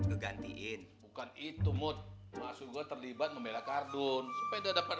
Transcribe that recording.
ngegantiin bukan itu mood masuk gua terlibat membela kartun pede dapat